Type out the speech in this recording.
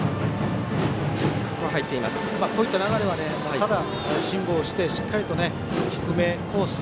こういった流れは、ただ辛抱してしっかり低め、コース